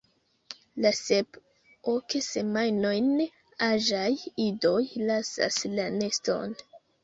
La sep–ok semajnojn aĝaj idoj lasas la neston.